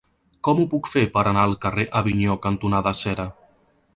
Com ho puc fer per anar al carrer Avinyó cantonada Cera?